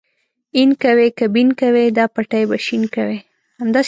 اين کوې که بېن کوې دا پټی به شين کوې.